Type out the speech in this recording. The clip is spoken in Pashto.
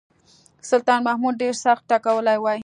سلطان محمود ډېر سخت ټکولی وای.